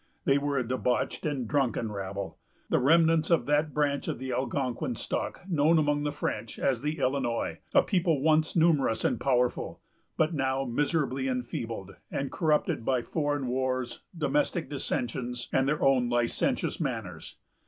They were a debauched and drunken rabble, the remnants of that branch of the Algonquin stock known among the French as the Illinois, a people once numerous and powerful, but now miserably enfeebled, and corrupted by foreign wars, domestic dissensions, and their own licentious manners.